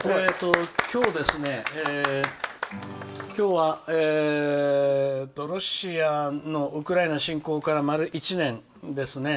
今日はロシアのウクライナ侵攻から丸１年ですね。